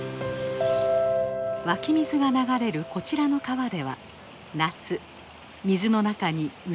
湧き水が流れるこちらの川では夏水の中に美しい風景が生まれます。